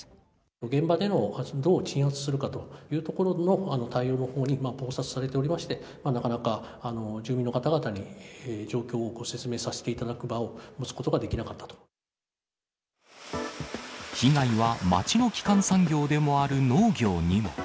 現場でのどう鎮圧するかというところでの対応のほうに忙殺されておりまして、なかなか住民の方々に状況をご説明させていただく場を持つことが被害は町の基幹産業でもある農業にも。